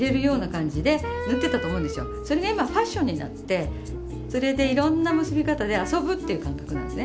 それが今ファッションになってそれでいろんな結び方で遊ぶっていう感覚なんですね。